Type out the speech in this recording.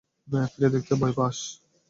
ফিরে দেখতে ভয় পাস?